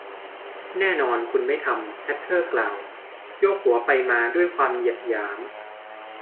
แน่นอน คุณไม่ทำ แฮทเทอร์ กล่าว โยกหัวไปมาด้วยความเหยียดหยาม